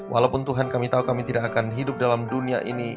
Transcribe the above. walaupun tuhan kami tahu kami tidak akan hidup dalam dunia ini